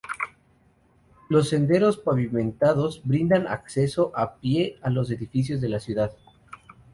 Los senderos pavimentados brindan acceso a pie a los edificios de la ciudad.